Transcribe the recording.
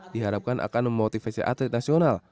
diharapkan akan memotivasi atlet nasional